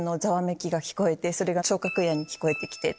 それが聴覚野に聞こえてきて。